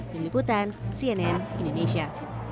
diliputan cnn indonesia